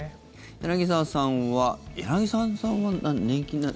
柳澤さんは柳澤さんは年金は。